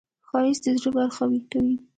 ښایست د زړه خبرې کوي